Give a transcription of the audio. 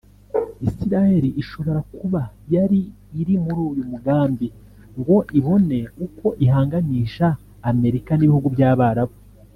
Israel ishobora kuba yari iri muri uyu mugambi ngo ibone uko ihanganisha Amerika n’ibihugu by’Abarabu